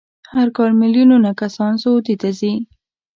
هر کال میلیونونه کسان سعودي ته ځي.